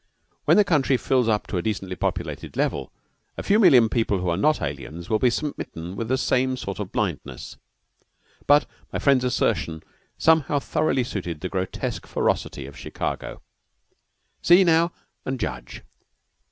When the country fills up to a decently populated level a few million people who are not aliens will be smitten with the same sort of blindness. But my friend's assertion somehow thoroughly suited the grotesque ferocity of Chicago. See now and judge!